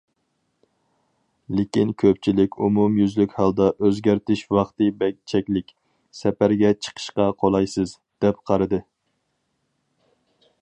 لېكىن كۆپچىلىك ئومۇميۈزلۈك ھالدا ئۆزگەرتىش ۋاقتى بەك چەكلىك، سەپەرگە چىقىشقا قولايسىز، دەپ قارىدى.